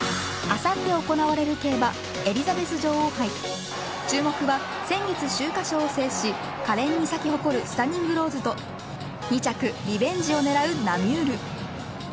あさって行われる競馬エリザベス女王杯注目は先月秋華賞を制し華麗に咲き誇るスタニングローズと２着リベンジを狙うナミュール。